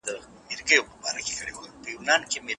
د بشري حقونو سرغړونه په جګړه کې معمول ده.